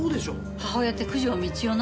母親って九条美千代の？